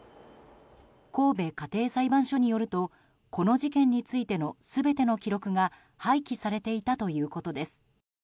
神戸家庭裁判所によるとこの事件についての全ての記録が廃棄されていたということです。